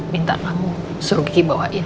minta kamu suruh gigi bawain